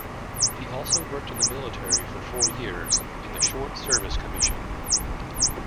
He also worked in the military for four years in the Short Service Commission.